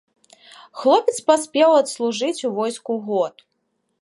Хлопец паспеў адслужыць у войску год.